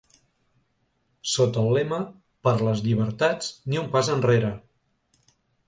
Sota el lema Per les llibertats, ni un pas enrere!